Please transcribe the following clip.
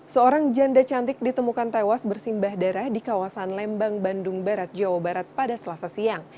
seorang janda cantik ditemukan tewas bersimbah darah di kawasan lembang bandung barat jawa barat pada selasa siang